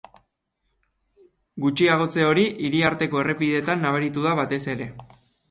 Gutxiagotze hori, hiriarteko errepideetan nabaritu da batez ere.